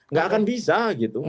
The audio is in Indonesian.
nggak akan bisa gitu